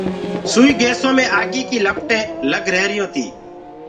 سئي گيسو مي آگيٚ ڪيٚ لپٽينٚ لگ رهيريونٚ تي۔